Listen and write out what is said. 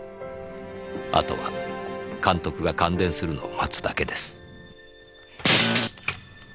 あとは監督が感電するのを待つだけです。